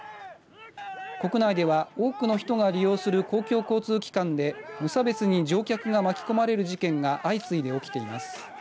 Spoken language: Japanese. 国内では、多くの人が利用する公共交通機関で無差別に乗客が巻き込まれる事件が相次いで起きています。